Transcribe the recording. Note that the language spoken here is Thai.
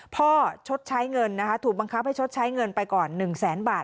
ชดใช้เงินนะคะถูกบังคับให้ชดใช้เงินไปก่อน๑แสนบาท